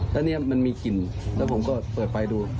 แล้วเนี่ยมันมีกลิ่นแล้วผมก็เปิดไฟดู